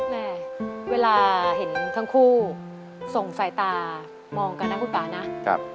แม่เวลาเห็นทั้งคู่ส่งสายตามองกันนะคุณป่านะ